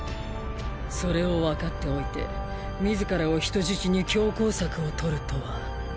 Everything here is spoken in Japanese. それをわかっておいて自らを人質に強硬策をとるとは。